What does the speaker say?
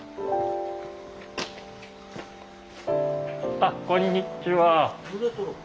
あこんにちは。